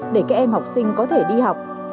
để các em học sinh có thể đi học